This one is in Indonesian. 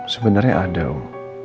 sebenarnya ada om